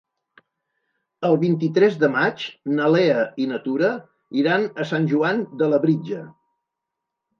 El vint-i-tres de maig na Lea i na Tura iran a Sant Joan de Labritja.